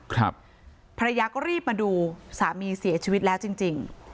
ภรรยาก็รีบมาดูสามีเสียชีวิตแล้วจริงจริง